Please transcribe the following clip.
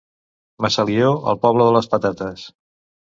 Massalió, el poble de les patates.